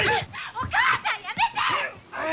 お母さんやめて！